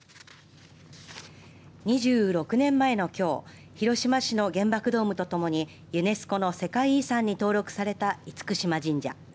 ２６年前のきょう広島市の原爆ドームとともにユネスコの世界遺産に登録された厳島神社。